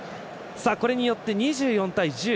これによって、２４対１０。